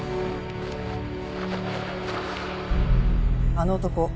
あの男。